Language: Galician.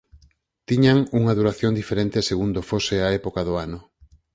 Tiñan unha duración diferente segundo fose a época do ano.